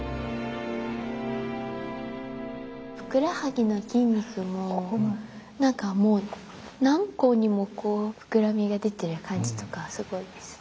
ふくらはぎの筋肉も何かもう何個にもこう膨らみが出てる感じとかすごいです。